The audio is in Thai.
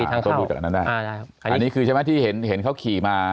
อันนี้คือใช่ไหมที่เห็นเขาขี่มา